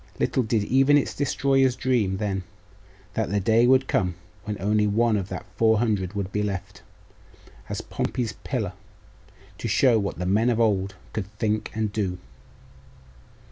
Little did even its destroyers dream then, that the day would come when one only of that four hundred would be left, as 'Pompey's Pillar,' to show what the men of old could think and do.